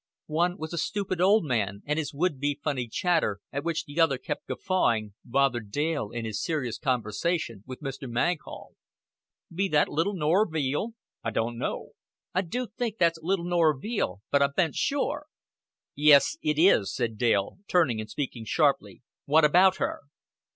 One was a stupid old man, and his would be funny chatter, at which the other kept guffawing, bothered Dale in his serious conversation with Mr. Maghull. "Be that little Norrer Veale?" "I dunno." "I do think that's little Norrer Veale, but I ben't sure." "Yes, it is," said Dale, turning and speaking sharply. "What about her?"